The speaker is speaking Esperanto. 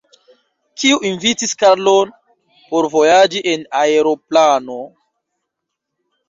Kiu invitis Karlon por vojaĝi en aeroplano?